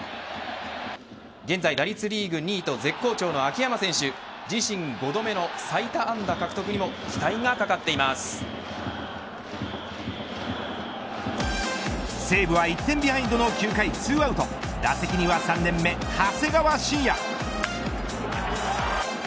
現在、打率リーグ２位と絶好調の秋山選手自身５度目の最多安打獲得にも西武は１点ビハインドの９回２アウト打席には３年目、長谷川信哉。